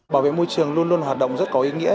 bảo vệ môi trường luôn luôn là hoạt động rất có ý nghĩa